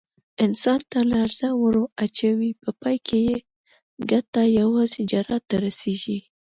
انسان ته لړزه ور اچوي، په پای کې یې ګټه یوازې جراح ته رسېږي.